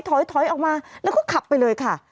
ถอยออกมาแล้วก็ขับไปเลยค่ะ